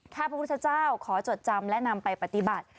ถ้าพระพุทธเจ้าขอจดจำและนำไปปฏิบัติ